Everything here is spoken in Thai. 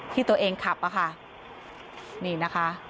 ที่ตัวเองขับอะค่ะนี่นะคะ